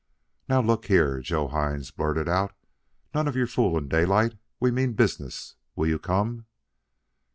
"Now look here," Joe Hines blurted out, "none of your foolin, Daylight. We mean business. Will you come?"